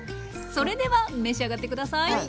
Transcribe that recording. それでは召し上がって下さい！